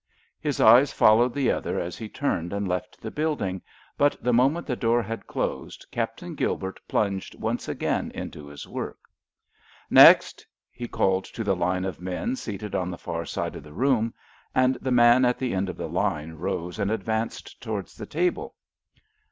His eyes followed the other as he turned and left the building, but the moment the door had closed Captain Gilbert plunged once again into his work. "Next," he called to the line of men seated on the far side of the room; and the man at the end of the line rose and advanced towards the table.